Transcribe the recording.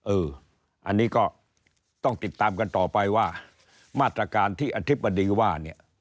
เอออันนี้ก็ต้องติดตามกันต่อไปว่ามาตรการที่อธิบดีว่าเนี่ย